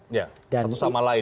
satu sama lain